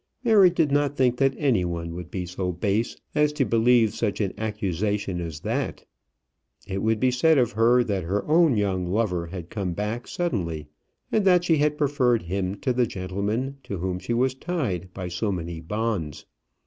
Mary did not think that any one would be so base as to believe such an accusation as that. It would be said of her that her own young lover had come back suddenly, and that she had preferred him to the gentleman to whom she was tied by so many bonds.